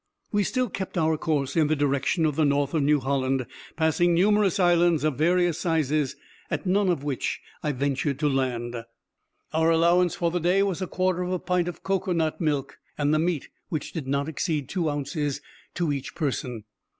_—We still kept our course in the direction of the North of New Holland, passing numerous islands of various sizes, at none of which I ventured to land. Our allowance for the day was a quarter of a pint of cocoa nut milk, and the meat, which did not exceed two ounces to each person.